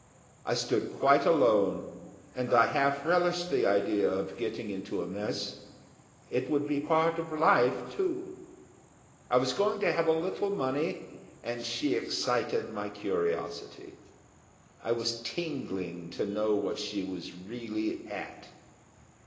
I stood quite alone, and I half relished the idea of getting into a mess it would be part of life, too. I was going to have a little money, and she excited my curiosity. I was tingling to know what she was really at.